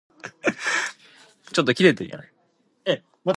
Oh, it’s just glorious to think of it.